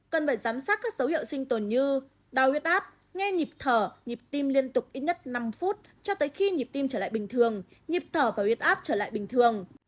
cần phải giám sát các dấu hiệu sinh tồn như đau huyết áp nghe nhịp thở nhịp tim liên tục ít nhất năm phút cho tới khi nhịp tim trở lại bình thường nhịp thở và huyết áp trở lại bình thường